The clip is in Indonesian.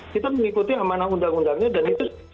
kita mengikuti amanah undang undangnya dan itu